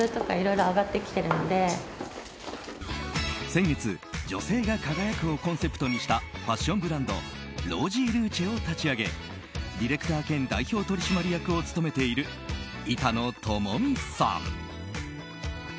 先月、女性が輝くをコンセプトにしたファッションブランドＲｏｓｙｌｕｃｅを立ち上げディレクター兼代表取締役を務めている、板野友美さん。